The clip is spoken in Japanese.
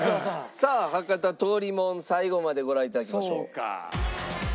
さあ博多通りもん最後までご覧頂きましょう。